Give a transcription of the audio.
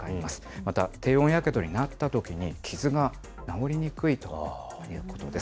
また低温やけどになったときに、傷が治りにくいということです。